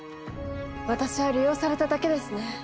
私は利用されただけですね。